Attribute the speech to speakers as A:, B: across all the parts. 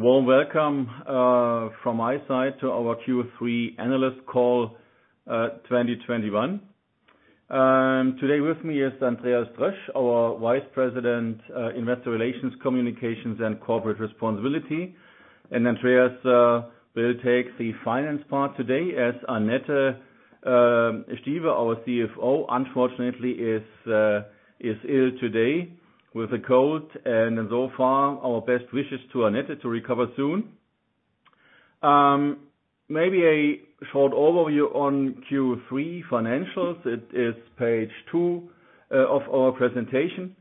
A: A warm welcome from my side to our Q3 analyst call 2021. Today with me is Andreas Trösch, our Vice President Investor Relations, Communications and Corporate Responsibility. Andreas will take the finance part today as Annette Stieve, our CFO, unfortunately, is ill today with a cold, so our best wishes to Annette to recover soon. Maybe a short overview on Q3 financials. It is page two of our presentation.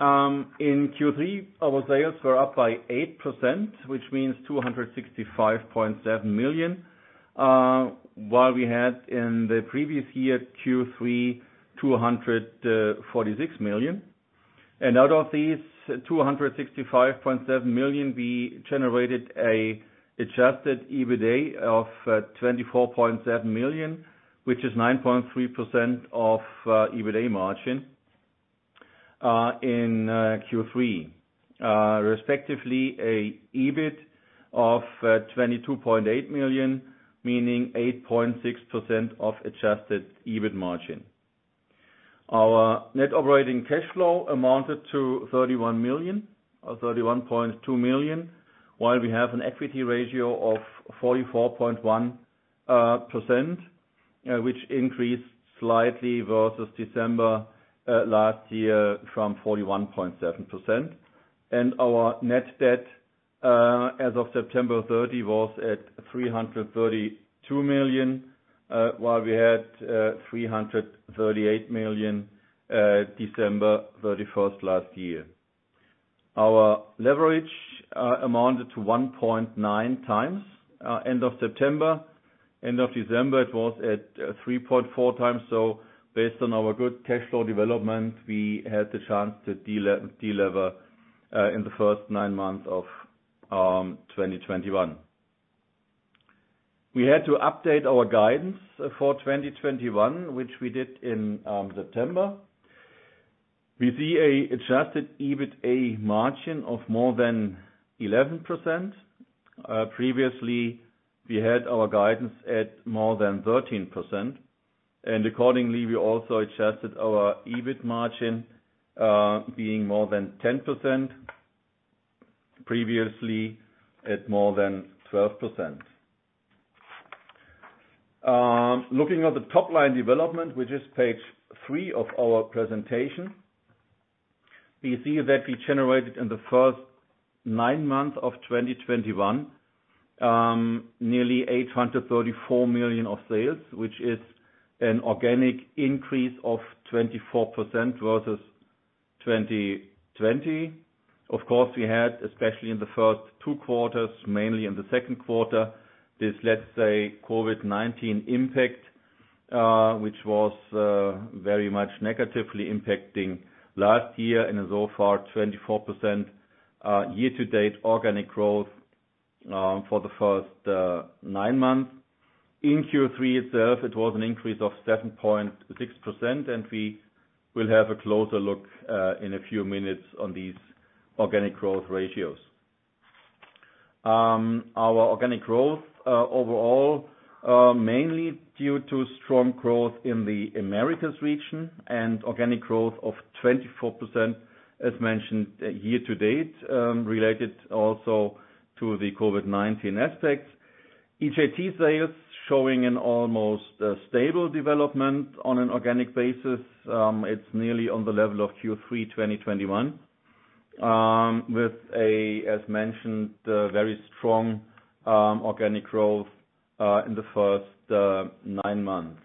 A: In Q3, our sales were up by 8%, which means 265.7 million, while we had in the previous year, Q3, 246 million. Out of these 265.7 million, we generated an adjusted EBITA of 24.7 million, which is 9.3% EBITA margin in Q3. Respectively, an EBIT of 22.8 million, meaning 8.6% adjusted EBIT margin. Our net operating cash flow amounted to 31 million or 31.2 million, while we have an equity ratio of 44.1%, which increased slightly versus December last year from 41.7%. Our net debt as of September 30, was at 332 million, while we had 338 million December 31 last year. Our leverage amounted to 1.9 times end of September. End of December, it was at 3.4 times, so based on our good cash flow development, we had the chance to delever in the first nine months of 2021. We had to update our guidance for 2021, which we did in September. We see an adjusted EBITA margin of more than 11%. Previously, we had our guidance at more than 13%, and accordingly, we also adjusted our EBIT margin being more than 10%, previously at more than 12%. Looking at the top line development, which is page three of our presentation. We see that we generated in the first nine months of 2021 nearly 834 million in sales, which is an organic increase of 24% versus 2020. Of course, we had, especially in the first two quarters, mainly in the second quarter, this, let's say, COVID-19 impact, which was very much negatively impacting last year and so far, 24% year-to-date organic growth for the first nine months. In Q3 itself, it was an increase of 7.6%, and we will have a closer look in a few minutes on these organic growth ratios. Our organic growth overall mainly due to strong growth in the Americas region and organic growth of 24% as mentioned year-to-date related also to the COVID-19 aspects. EJT sales showing an almost stable development on an organic basis. It's nearly on the level of Q3 2021 with, as mentioned, a very strong organic growth in the first nine months.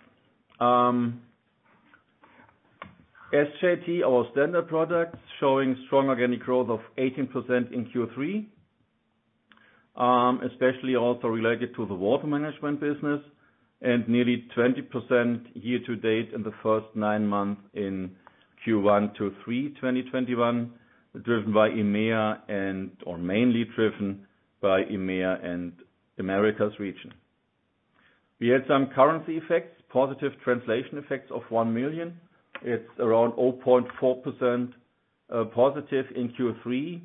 A: SJT, our Standard Products, showing strong organic growth of 18% in Q3, especially also related to the Water Management business, and nearly 20% year-to-date in the first nine months in Q1 to Q3 2021, driven mainly by EMEA and Americas region. We had some currency effects, positive translation effects of 1 million. It's around 0.4% positive in Q3,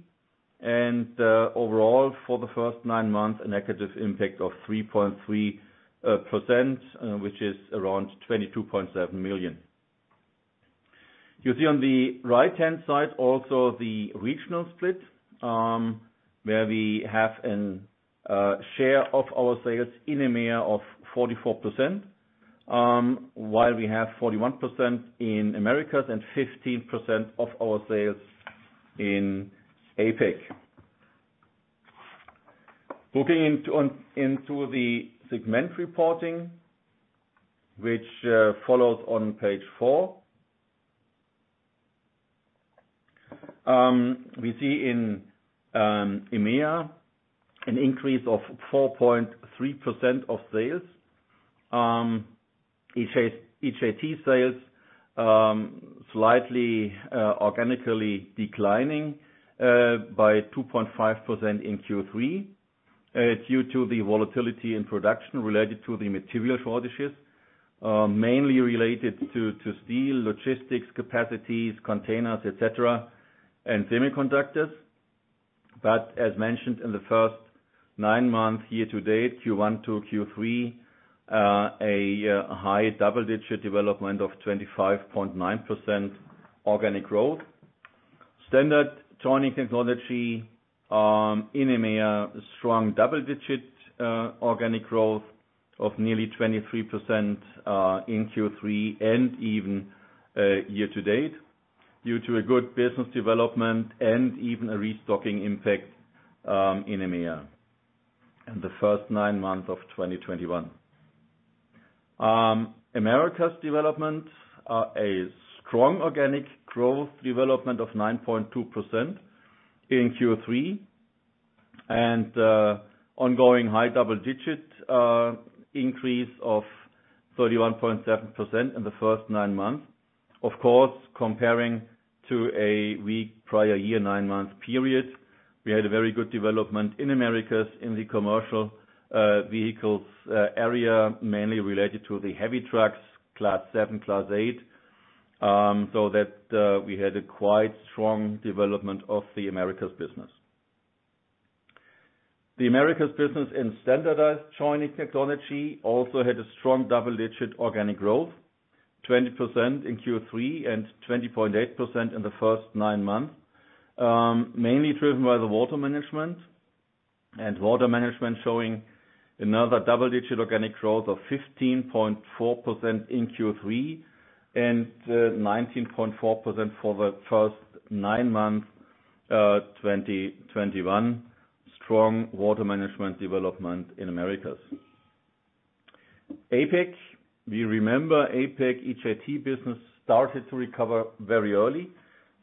A: and overall, for the first nine months, a negative impact of 3.3%, which is around 22.7 million. You see on the right-hand side also the regional split, where we have a share of our sales in EMEA of 44%, while we have 41% in Americas and 15% of our sales in APAC. Looking into the segment reporting, which follows on page four. We see in EMEA an increase of 4.3% of sales. EJT sales slightly organically declining by 2.5% in Q3. Due to the volatility in production related to the material shortages mainly related to steel, logistics capacities, containers, et cetera, and semiconductors. As mentioned in the first nine months year to date, Q1 to Q3, a high double-digit development of 25.9% organic growth. Standard joining technology in EMEA strong double digit organic growth of nearly 23% in Q3 and even year to date due to a good business development and even a restocking impact in EMEA in the first nine months of 2021. Americas development a strong organic growth development of 9.2% in Q3. Ongoing high double-digit increase of 31.7% in the first nine months. Of course, comparing to a weak prior year, nine-month period, we had a very good development in Americas in the commercial vehicles area, mainly related to the heavy trucks, Class 7, Class 8. So that we had a quite strong development of the Americas business. The Americas business in Standardized Joining Technology also had a strong double-digit organic growth, 20% in Q3 and 20.8% in the first nine months, mainly driven by the Water Management. Water Management showing another double-digit organic growth of 15.4% in Q3 and 19.4% for the first nine months, 2021. Strong Water Management development in Americas. APAC. We remember APAC. EJT business started to recover very early,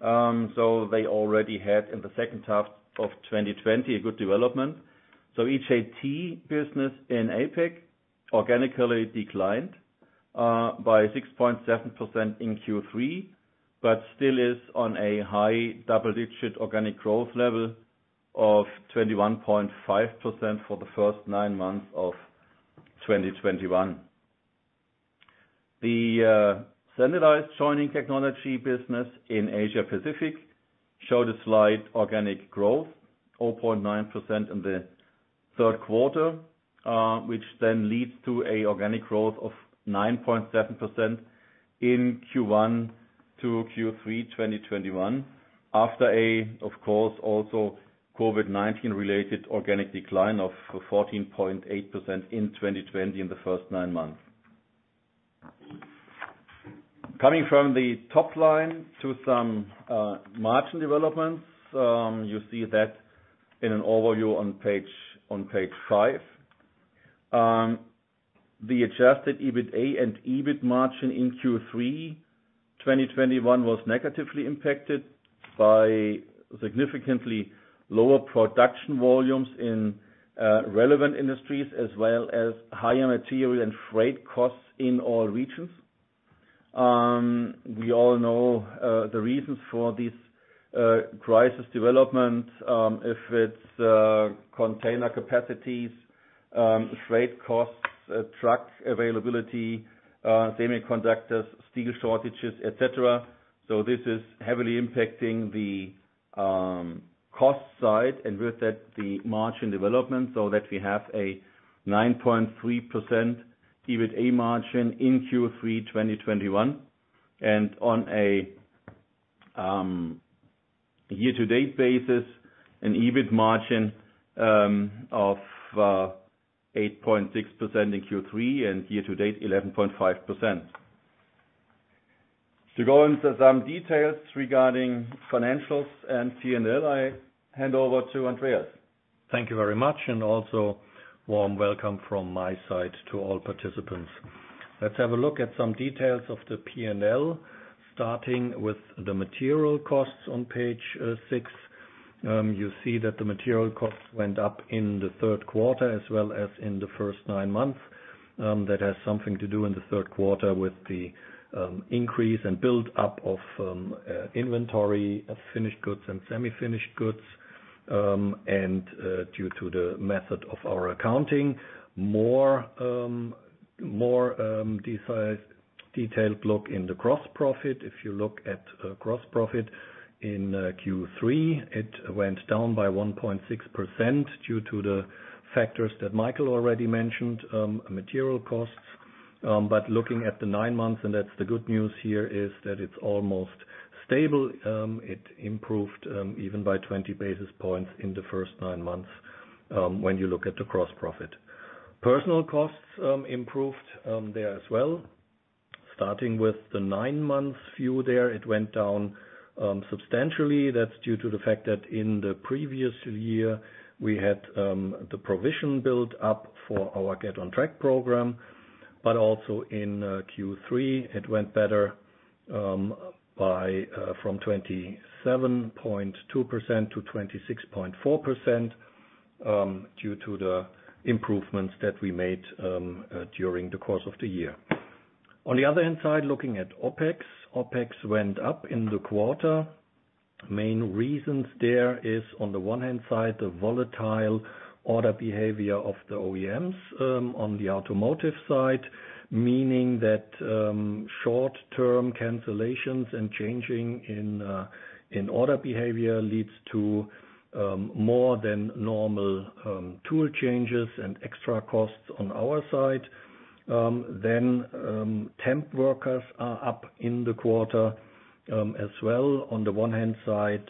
A: so they already had in the second half of 2020 a good development. EJT business in APAC organically declined by 6.7% in Q3, but still is on a high double-digit organic growth level of 21.5% for the first nine months of 2021. The Standardized Joining Technology business in Asia Pacific showed a slight organic growth, 0.9% in the third quarter, which then leads to an organic growth of 9.7% in Q1 to Q3 2021 after a, of course, also COVID-19 related organic decline of 14.8% in 2020 in the first nine months. Coming from the top line to some margin developments, you see that in an overview on page five. The adjusted EBITA and EBIT margin in Q3 2021 was negatively impacted by significantly lower production volumes in relevant industries, as well as higher material and freight costs in all regions. We all know the reasons for this crisis development, if it's container capacities, freight costs, truck availability, semiconductors, steel shortages, et cetera. This is heavily impacting the cost side and with that, the margin development, so that we have a 9.3% EBITA margin in Q3 2021. On a year to date basis, an EBIT margin of 8.6% in Q3 and year to date, 11.5%. To go into some details regarding financials and P&L, I hand over to Andreas.
B: Thank you very much and also warm welcome from my side to all participants. Let's have a look at some details of the P&L, starting with the material costs on page six. You see that the material costs went up in the third quarter as well as in the first nine months. That has something to do in the third quarter with the increase and build up of inventory of finished goods and semi-finished goods. And due to the method of our accounting, more detailed look in the gross profit. If you look at gross profit in Q3, it went down by 1.6% due to the factors that Michael already mentioned, material costs. Looking at the nine months, and that's the good news here, is that it's almost stable. It improved even by 20 basis points in the first nine months when you look at the gross profit. Personnel costs improved there as well. Starting with the nine-month view there, it went down substantially. That's due to the fact that in the previous year, we had the provision built up for our Get on Track program. Also in Q3, it went better by from 27.2%-26.4% due to the improvements that we made during the course of the year. On the other hand side, looking at OpEx. OpEx went up in the quarter. Main reasons there is, on the one hand side, the volatile order behavior of the OEMs, on the automotive side, meaning that short-term cancellations and changing in order behavior leads to more than normal tool changes and extra costs on our side. Then temp workers are up in the quarter, as well, on the one hand side,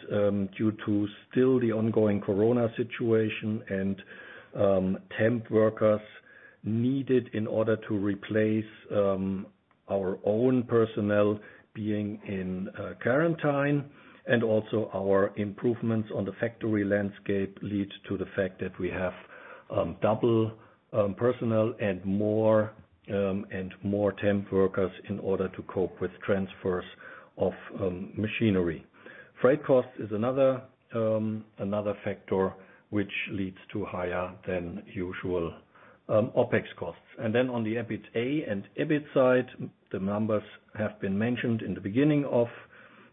B: due to still the ongoing corona situation and temp workers needed in order to replace our own personnel being in quarantine and also our improvements on the factory landscape lead to the fact that we have double personnel and more temp workers in order to cope with transfers of machinery. Freight costs is another factor which leads to higher than usual OpEx costs. On the EBITA and EBIT side, the numbers have been mentioned in the beginning of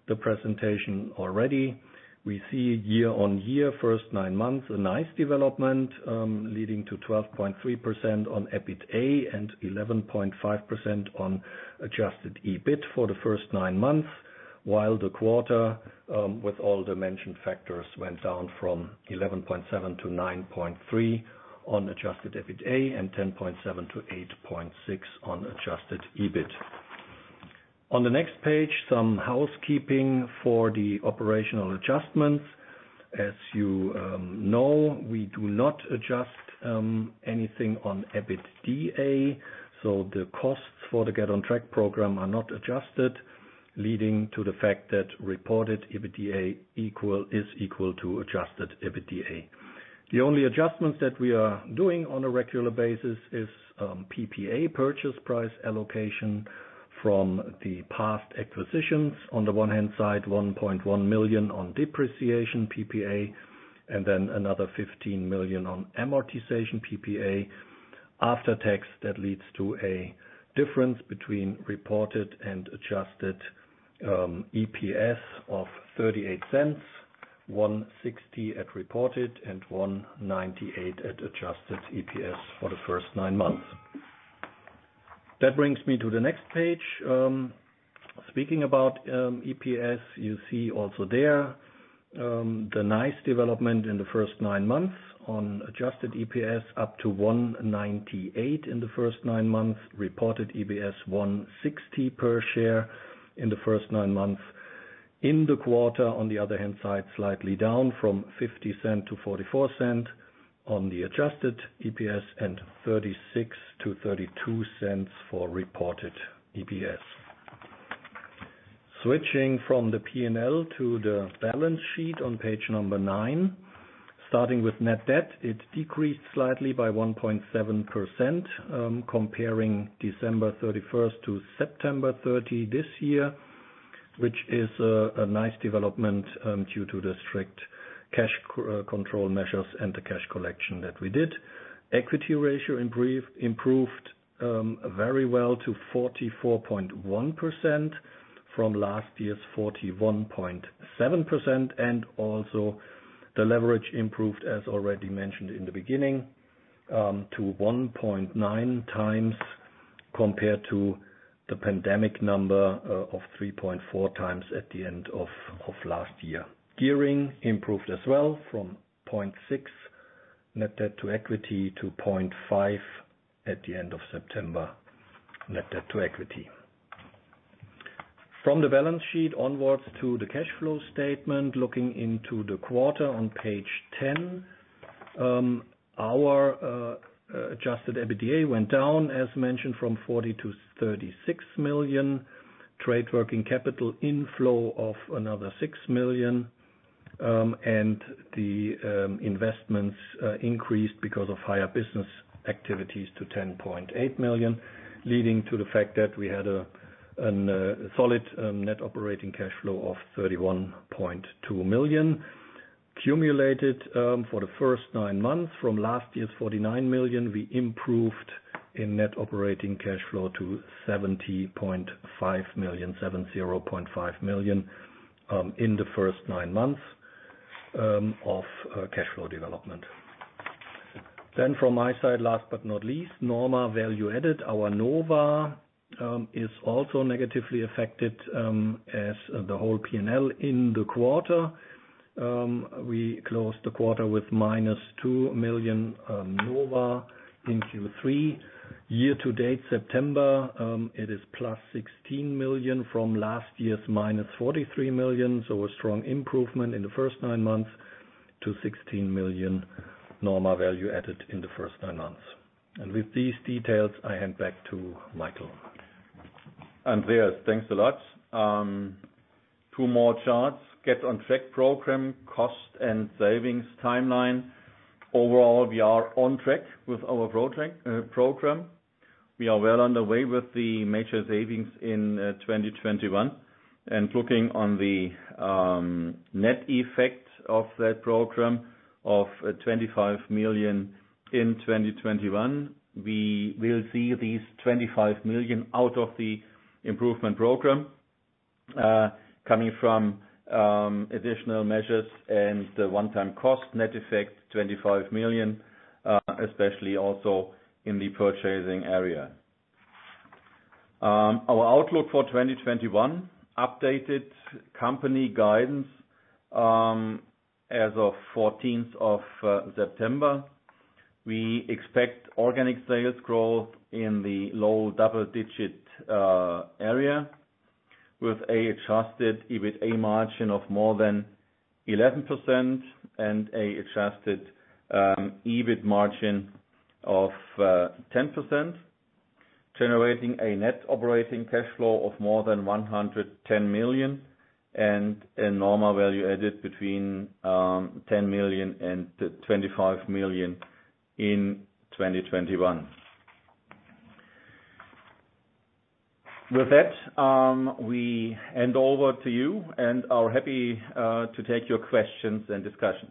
B: the presentation already. We see year-on-year, first nine months, a nice development, leading to 12.3% on EBITA and 11.5% on adjusted EBIT for the first nine months, while the quarter, with all dimension factors went down from 11.7 to 9.3 on adjusted EBITA and 10.7 to 8.6 on adjusted EBIT. On the next page, some housekeeping for the operational adjustments. As you know, we do not adjust anything on EBITDA, so the costs for the Get on Track program are not adjusted, leading to the fact that reported EBITDA is equal to adjusted EBITDA. The only adjustments that we are doing on a regular basis is PPA purchase price allocation from the past acquisitions. On the one hand side, 1.1 million on depreciation PPA and then another 15 million on amortization PPA. After tax, that leads to a difference between reported and adjusted EPS of 0.38, 1.60 at reported and 1.98 at adjusted EPS for the first nine months. That brings me to the next page. Speaking about EPS, you see also there the nice development in the first nine months on adjusted EPS up to 1.98 in the first nine months. Reported EPS 1.60 per share in the first nine months. In the quarter, on the other hand side, slightly down from 0.50 to 0.44 on the adjusted EPS and 0.36 to 0.32 for reported EPS. Switching from the P&L to the balance sheet on page nine. Starting with net debt, it decreased slightly by 1.7%, comparing December 31 to September 30 this year, which is a nice development due to the strict cash control measures and the cash collection that we did. Equity ratio improved very well to 44.1% from last year's 41.7%, and also the leverage improved, as already mentioned in the beginning, to 1.9 times compared to the pandemic number of 3.4 times at the end of last year. Gearing improved as well from 0.6 net debt to equity to 0.5 at the end of September net debt to equity. From the balance sheet onwards to the cash flow statement. Looking into the quarter on page 10, our adjusted EBITDA went down, as mentioned, from 40 million to 36 million. Trade working capital inflow of another 6 million, and the investments increased because of higher business activities to 10.8 million, leading to the fact that we had a solid net operating cash flow of 31.2 million. Cumulated for the first nine months from last year's 49 million, we improved in net operating cash flow to 70.5 million in the first nine months of cash flow development. From my side, last but not least, NORMA Value Added. Our NOVA is also negatively affected as the whole P&L in the quarter. We closed the quarter with -2 million NOVA in Q3. Year-to-date September, it is +16 million from last year's -43 million. A strong improvement in the first nine months to 16 million NORMA Value Added in the first nine months. With these details, I hand back to Michael.
A: Andreas, thanks a lot. Two more charts. Get on Track program, cost and savings timeline. Overall, we are on track with our Get on Track program. We are well on the way with the major savings in 2021. Looking at the net effect of that program of 25 million in 2021, we will see these 25 million out of the improvement program coming from additional measures and the one-time cost net effect 25 million, especially also in the purchasing area. Our outlook for 2021, updated company guidance, as of 14th September. We expect organic sales growth in the low double-digit area, with an adjusted EBITA margin of more than 11% and an adjusted EBIT margin of 10%, generating a net operating cash flow of more than 110 million and a NORMA Value Added between 10 million and 25 million in 2021. With that, we hand over to you and are happy to take your questions and discussions.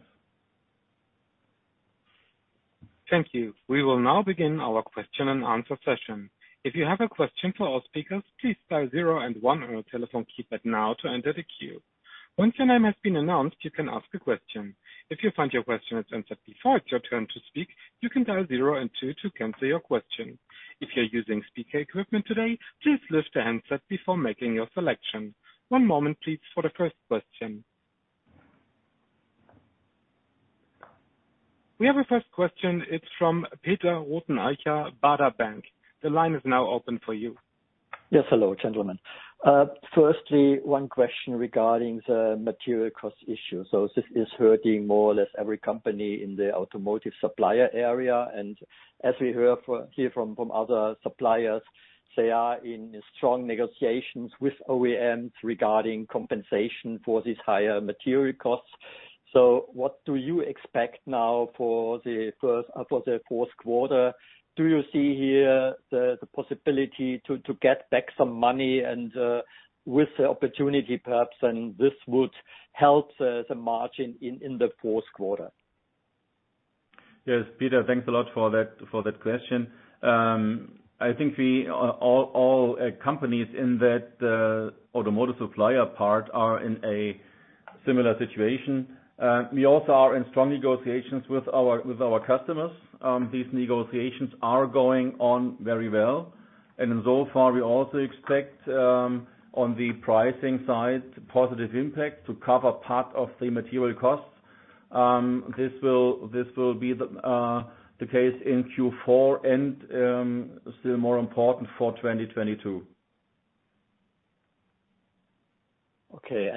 C: Thank you. We will now begin our question and answer session. If you have a question for our speakers, please dial zero and one on your telephone keypad now to enter the queue. Once your name has been announced, you can ask a question. If you find your question is answered before it's your turn to speak, you can dial zero and two to cancel your question. If you're using speaker equipment today, please lift the handset before making your selection. One moment, please, for the first question. We have a first question. It's from Peter Rothenaicher, Baader Bank. The line is now open for you.
D: Yes. Hello, gentlemen. Firstly, one question regarding the material cost issue. This is hurting more or less every company in the automotive supplier area. As we hear from other suppliers, they are in strong negotiations with OEMs regarding compensation for these higher material costs. What do you expect now for the fourth quarter? Do you see here the possibility to get back some money and with the opportunity perhaps, and this would help the margin in the fourth quarter?
A: Yes. Peter, thanks a lot for that question. I think we all companies in that automotive supplier part are in a similar situation. We also are in strong negotiations with our customers. These negotiations are going on very well. So far, we also expect on the pricing side, positive impact to cover part of the material costs. This will be the case in Q4 and still more important for 2022.
D: Okay.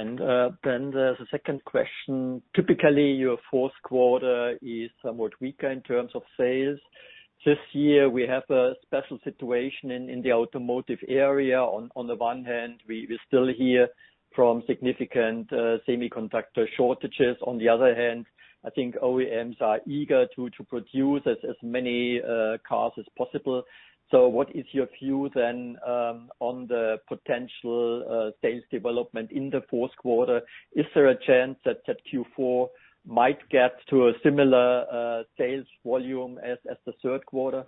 D: Then the second question, typically your fourth quarter is somewhat weaker in terms of sales. This year we have a special situation in the automotive area. On the one hand, we still hear from significant semiconductor shortages. On the other hand, I think OEMs are eager to produce as many cars as possible. What is your view then on the potential sales development in the fourth quarter? Is there a chance that Q4 might get to a similar sales volume as the third quarter?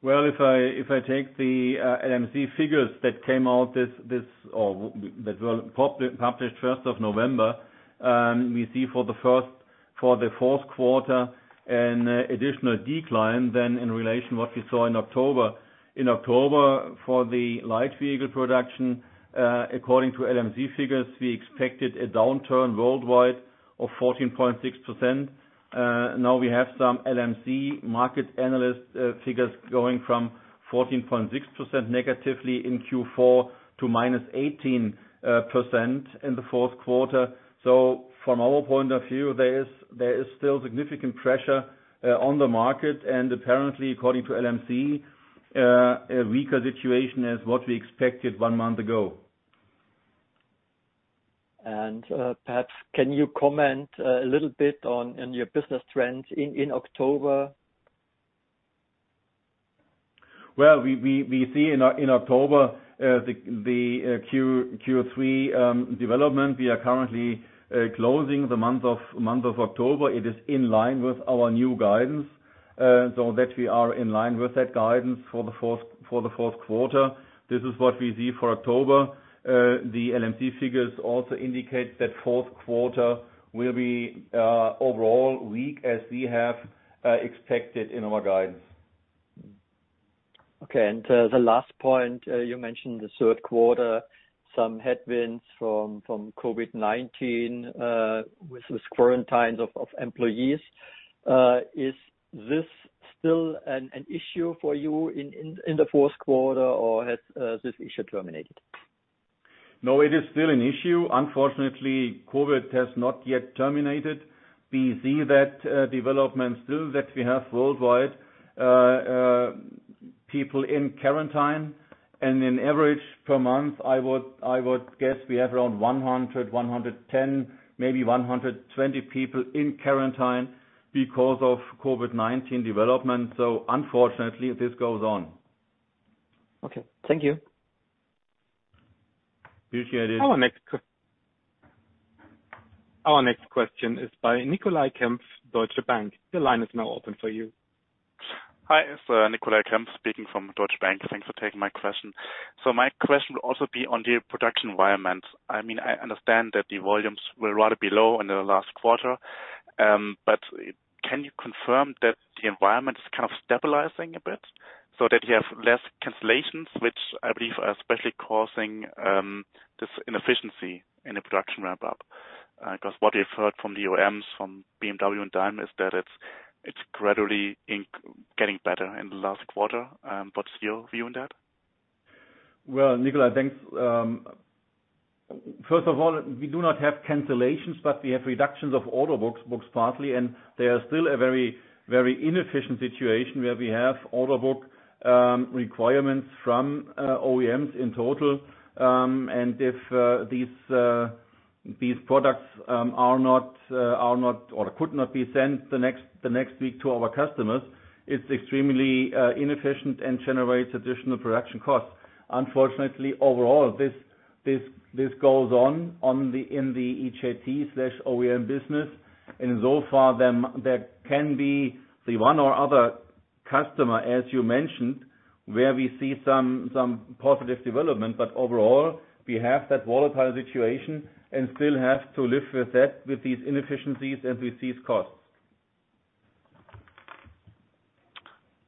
A: Well, if I take the LMC figures that came out this, or that were published first of November, we see for the fourth quarter an additional decline than in relation to what we saw in October. In October, for the light vehicle production, according to LMC figures, we expected a downturn worldwide of 14.6%. Now we have some LMC market analyst figures going from 14.6% negatively in Q4 to -18% in the fourth quarter. From our point of view, there is still significant pressure on the market, and apparently, according to LMC, a weaker situation than what we expected one month ago.
D: Perhaps can you comment a little bit on your business trends in October?
A: Well, we see in October the Q3 development. We are currently closing the month of October. It is in line with our new guidance, so that we are in line with that guidance for the fourth quarter. This is what we see for October. The LMC figures also indicate that fourth quarter will be overall weak as we have expected in our guidance.
D: Okay. The last point you mentioned the third quarter, some headwinds from COVID-19 with those quarantines of employees. Is this still an issue for you in the fourth quarter, or has this issue terminated?
A: No, it is still an issue. Unfortunately, COVID has not yet terminated. We see that development still that we have worldwide people in quarantine. On average per month, I would guess we have around 100, 110, maybe 120 people in quarantine because of COVID-19 development. Unfortunately this goes on.
D: Okay. Thank you.
A: Appreciate it.
C: Our next question is by Nicolai Kempf, Deutsche Bank. The line is now open for you.
E: Hi, it's Nicolai Kempf speaking from Deutsche Bank. Thanks for taking my question. My question will also be on the production environment. I mean, I understand that the volumes were rather below in the last quarter. Can you confirm that the environment is kind of stabilizing a bit so that you have less cancellations, which I believe are especially causing this inefficiency in the production ramp up? 'Cause what we've heard from the OEMs, from BMW and Daimler, is that it's getting better in the last quarter. What's your view on that?
A: Well, Nicolai, thanks. First of all, we do not have cancellations, but we have reductions of order books partly, and they are still a very inefficient situation where we have order book requirements from OEMs in total. And if these products are not or could not be sent the next week to our customers, it's extremely inefficient and generates additional production costs. Unfortunately, overall, this goes on in the EJT/OEM business. So far, there can be the one or other customer, as you mentioned, where we see some positive development. Overall, we have that volatile situation and still have to live with that, with these inefficiencies and with these costs.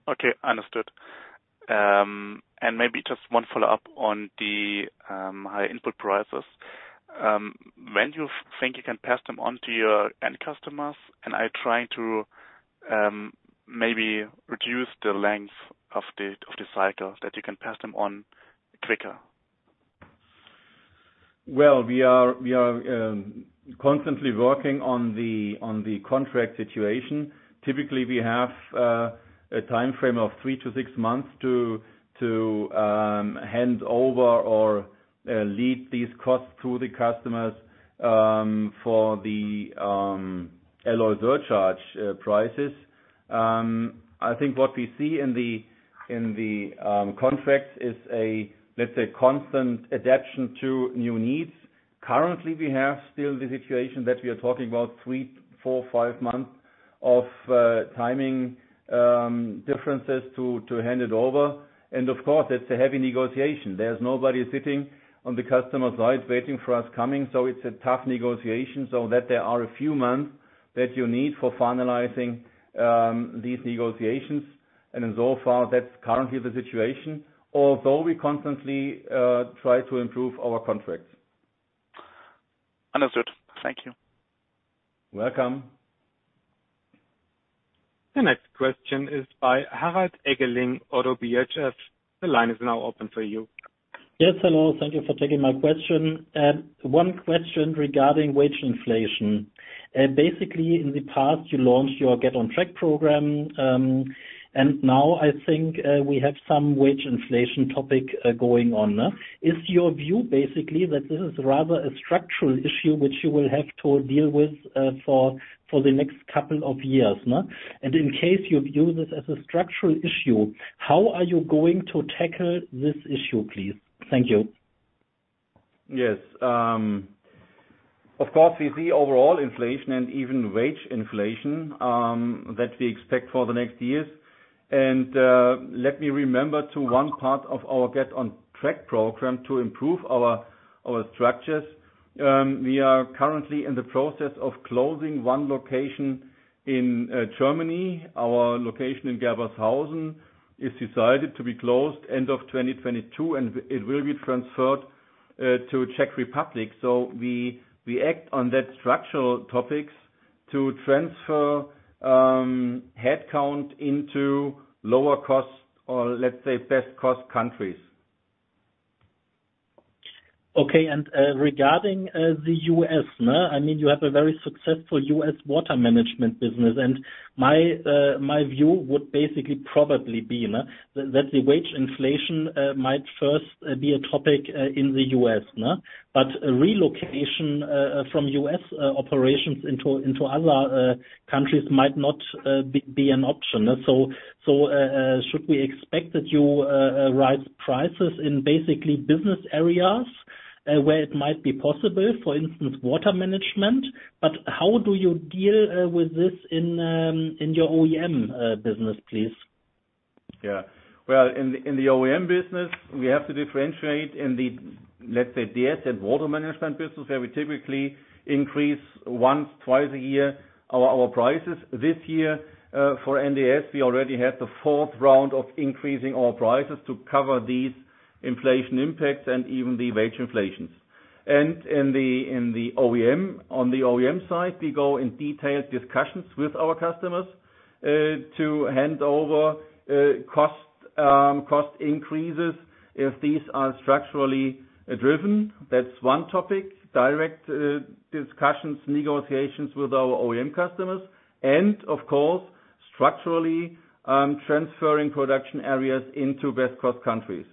E: Okay, understood. Maybe just one follow-up on the high input prices. When do you think you can pass them on to your end customers? I try to maybe reduce the length of the cycle that you can pass them on quicker.
A: Well, we are constantly working on the contract situation. Typically, we have a time frame of three to six months to hand over or lead these costs to the customers for the alloy surcharge prices. I think what we see in the contracts is a, let's say, constant adaptation to new needs. Currently, we have still the situation that we are talking about three, four, five months of timing differences to hand it over. Of course, it's a heavy negotiation. There's nobody sitting on the customer side waiting for us coming, so it's a tough negotiation, so that there are a few months that you need for finalizing these negotiations. And so far, that's currently the situation. Although we constantly try to improve our contracts.
E: Understood. Thank you.
A: Welcome.
C: The next question is by Harald Eggeling, Oddo BHF. The line is now open for you.
F: Yes, hello. Thank you for taking my question. One question regarding wage inflation. Basically, in the past, you launched your Get on Track program. Now I think, we have some wage inflation topic, going on, huh? Is your view basically that this is rather a structural issue which you will have to deal with, for the next couple of years, huh? In case you view this as a structural issue, how are you going to tackle this issue, please? Thank you.
A: Yes. Of course, we see overall inflation and even wage inflation that we expect for the next years. Let me remember to one part of our Get on Track program to improve our structures. We are currently in the process of closing one location in Germany. Our location in Gerbershausen is decided to be closed end of 2022, and it will be transferred to Czech Republic. We act on that structural topics to transfer headcount into lower cost or, let's say, best cost countries.
F: Okay. Regarding the U.S.? I mean, you have a very successful U.S. Water Management business. My view would basically probably be that the wage inflation might first be a topic in the U.S. A relocation from U.S. operations into other countries might not be an option. Should we expect that you raise prices in basically business areas where it might be possible, for instance, Water Management? How do you deal with this in your OEM business, please?
A: Yeah. Well, in the OEM business, we have to differentiate in the, let's say, DS and Water Management business, where we typically increase once, twice a year our prices. This year, for NDS, we already had the fourth round of increasing our prices to cover these inflation impacts and even the wage inflations. In the OEM, on the OEM side, we go in detailed discussions with our customers to hand over cost increases if these are structurally driven. That's one topic. Direct discussions, negotiations with our OEM customers. Of course, structurally, transferring production areas into best cost countries.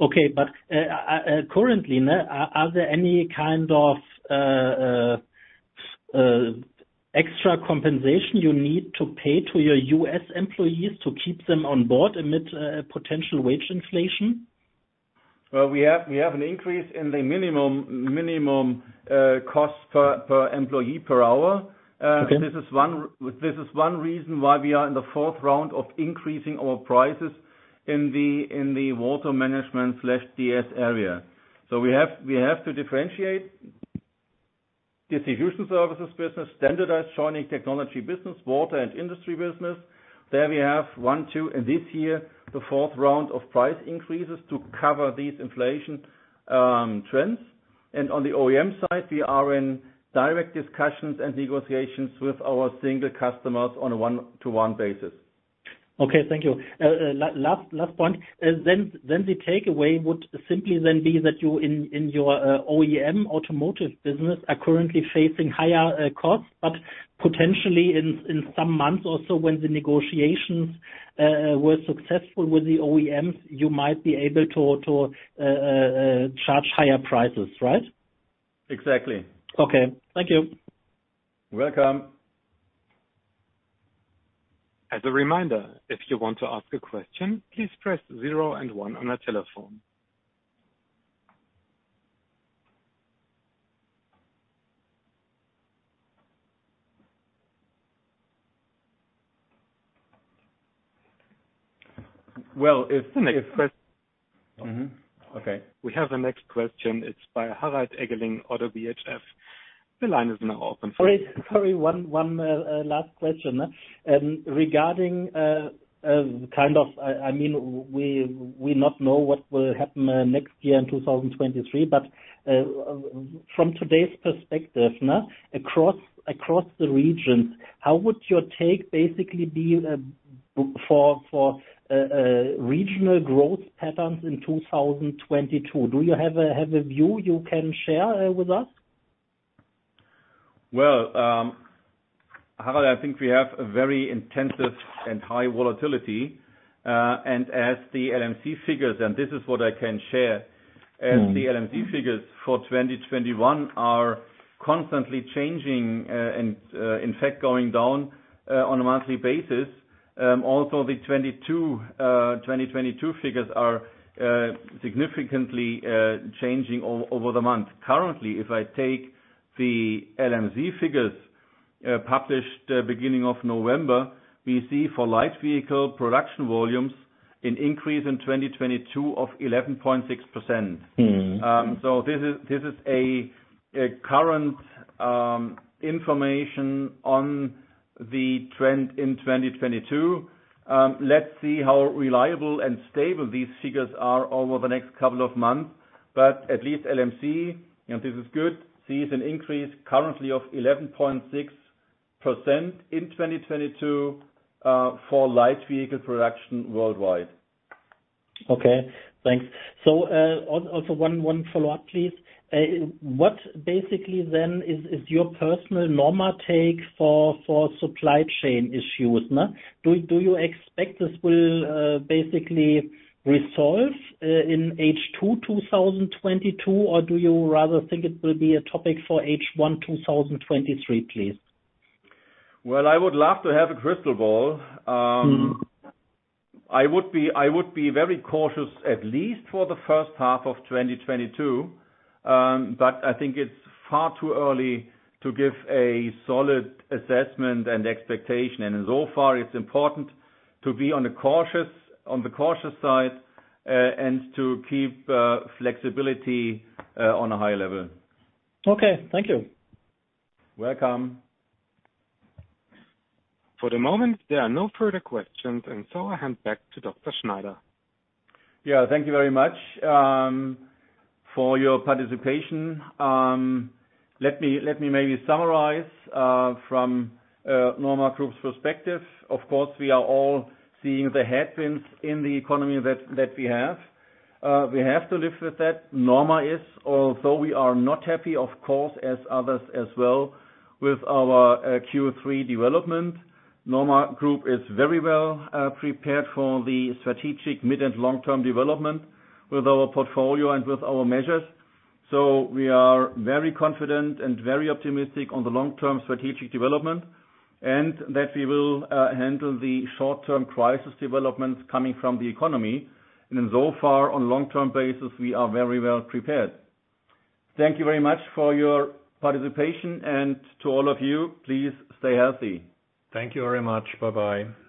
F: Okay. Currently, are there any kind of extra compensation you need to pay to your U.S. employees to keep them on board amid potential wage inflation?
A: Well, we have an increase in the minimum cost per employee per hour.
F: Okay.
A: This is one reason why we are in the fourth round of increasing our prices in the Water Management/DS area. We have to differentiate distribution services business, Standardized Joining Technology business, water and industry business. There we have one, two, and this year, the fourth round of price increases to cover these inflation trends. On the OEM side, we are in direct discussions and negotiations with our single customers on a one-to-one basis.
F: Okay. Thank you. Last point. The takeaway would simply then be that you in your OEM automotive business are currently facing higher costs, but potentially in some months or so when the negotiations were successful with the OEMs, you might be able to charge higher prices, right?
A: Exactly.
F: Okay. Thank you.
A: You're welcome.
C: As a reminder, if you want to ask a question, please press zero and one on your telephone.
A: Well, if
C: The next quest-
A: Okay.
C: We have the next question. It's by Harald Eggeling, Oddo BHF. The line is now open.
F: Sorry. One last question. Regarding kind of, I mean, we not know what will happen next year in 2023, but from today's perspective, now across the regions, how would your take basically be for regional growth patterns in 2022? Do you have a view you can share with us?
A: Well, Harald, I think we have a very intense and high volatility, and as the LMC figures, and this is what I can share. As the LMC figures for 2021 are constantly changing, and in fact going down, on a monthly basis. Also the 2022 figures are significantly changing over the month. Currently, if I take the LMC figures published beginning of November, we see for light vehicle production volumes an increase in 2022 of 11.6%. This is a current information on the trend in 2022. Let's see how reliable and stable these figures are over the next couple of months. At least LMC, and this is good, sees an increase currently of 11.6% in 2022 for light vehicle production worldwide.
F: Okay. Thanks. Also one follow-up, please. What basically then is your personal NORMA take for supply chain issues now? Do you expect this will basically resolve in H2 2022, or do you rather think it will be a topic for H1 2023, please?
A: Well, I would love to have a crystal ball. I would be very cautious at least for the first half of 2022, but I think it's far too early to give a solid assessment and expectation. And so far it's important to be on the cautious side, and to keep flexibility on a high level.
F: Okay. Thank you.
A: Welcome.
C: For the moment, there are no further questions, and so I hand back to Dr. Schneider.
A: Yeah. Thank you very much for your participation. Let me maybe summarize from NORMA Group's perspective. Of course, we are all seeing the headwinds in the economy that we have. We have to live with that. NORMA is, although we are not happy of course, as others as well, with our Q3 development. NORMA Group is very well prepared for the strategic mid and long-term development with our portfolio and with our measures. We are very confident and very optimistic on the long-term strategic development, and that we will handle the short-term crisis developments coming from the economy. And so far on long-term basis, we are very well prepared. Thank you very much for your participation. To all of you, please stay healthy. Thank you very much. Bye-bye.